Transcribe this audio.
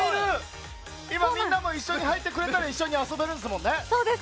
みんなも一緒に入ってくれたら一緒に遊べるんですもんね。